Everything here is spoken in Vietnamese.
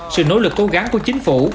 sự nỗ lực cố gắng của chính phủ